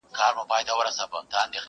څه عاشقانه څه مستانه څه رندانه غزل.